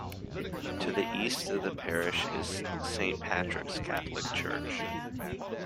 To the east of the parish is Saint Patrick's Catholic Church.